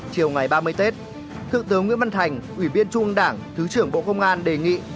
chiều ngày ba mươi tết thượng tướng nguyễn văn thành ủy viên trung ương đảng thứ trưởng bộ công an đề nghị